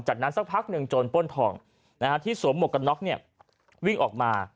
จากนั้นสักพักหนึ่งโจรป้นทองที่สวมหมวกกันน็อกวิ่งออกมา